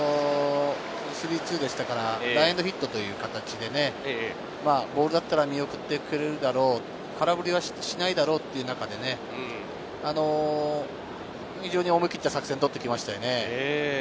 ３−２でしたからランエンドヒットという形で、ボールだったら見送ってくれるだろう、空振りはしないだろうっていうなかで、非常に思い切った作戦を出してきましたよね。